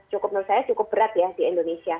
cukup menurut saya cukup berat ya di indonesia